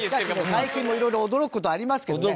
最近もいろいろ驚く事ありますけどね。